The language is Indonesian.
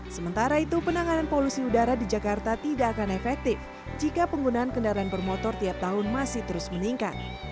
sementara itu penanganan polusi udara di jakarta tidak akan efektif jika penggunaan kendaraan bermotor tiap tahun masih terus meningkat